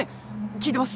聞いてます。